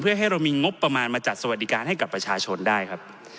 เพื่อให้เรามีงบประมาณมาจัดสวัสดิการให้กับประชาชนได้ครับ